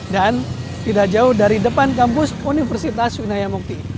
dan tidak jauh dari depan kampus universitas sunaya mukti